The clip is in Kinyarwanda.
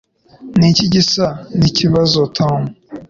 Niki gisa nikibazo Tom